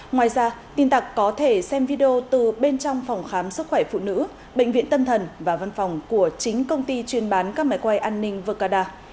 ngoài ra tin tặc có thể xem video từ bên trong phòng khám sức khỏe phụ nữ bệnh viện tâm thần và văn phòng của chính công ty chuyên bán các máy quay an ninh verkada